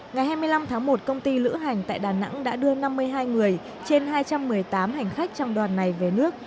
ngày hai mươi năm tháng một công ty lữ hành tại đà nẵng đã đưa năm mươi hai người trên hai trăm một mươi tám hành khách trong đoàn này về nước